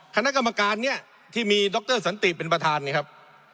คณะกรรมการเนี่ยที่มีดรสันติเป็นประธานเนี่ยครับ